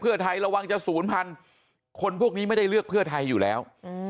เพื่อไทยระวังจะศูนย์พันธุ์คนพวกนี้ไม่ได้เลือกเพื่อไทยอยู่แล้ว